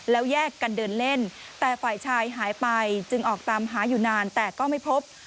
แล้วแยกกันเดินเล่นแต่ฝ่ายชายหายไปจึงออกตามหาอยู่นานแต่ก็ไม่พบ